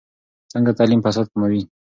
څنګه تعلیم فساد کموي؟